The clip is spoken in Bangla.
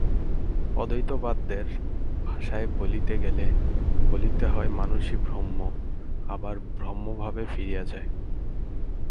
অদ্বৈতবাদের ভাষায় বলিতে গেলে বলিতে হয় মানুষই ব্রহ্ম, আবার ব্রহ্মভাবে ফিরিয়া যায়।